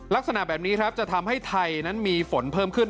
ลักษณะแบบนี้ครับจะทำให้ไทยนั้นมีฝนเพิ่มขึ้น